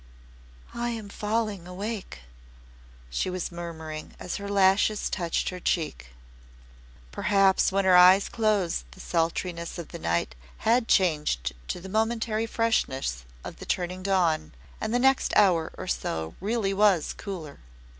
"I am falling awake," she was murmuring as her lashes touched her cheek. Perhaps when her eyes closed the sultriness of the night had changed to the momentary freshness of the turning dawn, and the next hour or so was really cooler.